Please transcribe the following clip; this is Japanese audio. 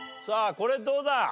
さあこれどうだ？